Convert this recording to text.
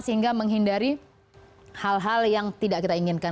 sehingga menghindari hal hal yang tidak kita inginkan